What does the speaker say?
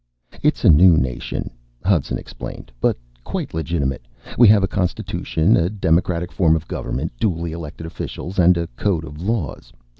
"It's a new nation," Hudson explained, "but quite legitimate. We have a constitution, a democratic form of government, duly elected officials, and a code of laws.